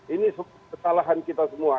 ini kesalahan kita semua